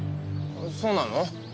そうなの？